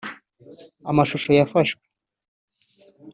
Amashusho yafashwe